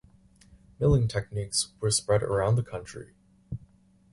Milling techniques were spread around the country.